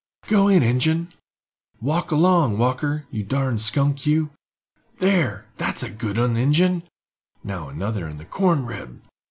"Go in, Ingen!" "Walk along, Walker, you darn skunk you!" "There, that's a good un, Ingen!" "Now another in the corn crib!"